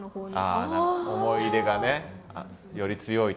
ああ思い入れがねより強いと。